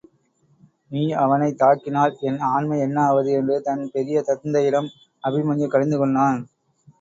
நீ அவனைத் தாக்கினால் என் ஆண்மை என்ன ஆவது என்று தன் பெரிய தந்தையிடம் அபிமன்யு கடிந்து கொண்டான்.